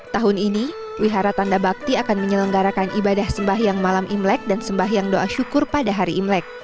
tahun ini wihara tanda bakti akan menyelenggarakan ibadah sembahyang malam imlek dan sembahyang doa syukur pada hari imlek